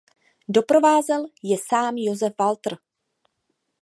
Doprovázel je sám Josef Walter.